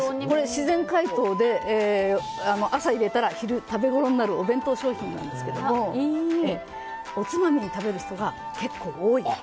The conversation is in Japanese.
自然解凍で、朝入れたら昼、食べごろになるお弁当商品なんですけどもおつまみに食べる人が結構多い。